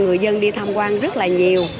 người dân đi tham quan rất là nhiều